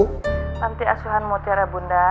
panti asuhan mutiara bunda